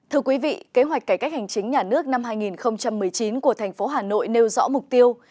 thưa quý vị kế hoạch cải cách hành chính nhà nước năm hai nghìn một mươi chín của thành phố hà nội nêu rõ mục tiêu